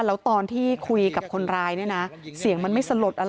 แล้วตอนที่คุยกับคนร้ายเนี่ยนะเสียงมันไม่สลดอะไร